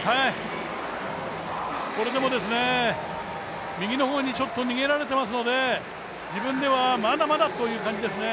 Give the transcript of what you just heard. これでもですね、右の方にちょっと逃げられていますので自分ではまだまだという感じですね。